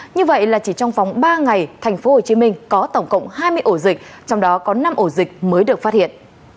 như vậy là chỉ trong vòng ba ngày tp hcm có tổng cộng hai mươi ổ dịch trong đó có năm ổ dịch mới được phát hiện